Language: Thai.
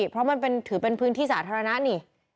เพราะมันถือเป็นพื้นที่สาธารณะนี่